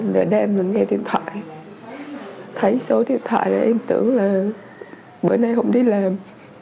đợi đêm lần nghe điện thoại thấy số điện thoại là em tưởng là bữa nay không đi làm